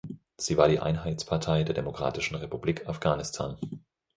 Sie war die Einheitspartei der Demokratischen Republik Afghanistan.